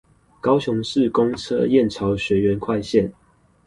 高雄市公車燕巢學園快線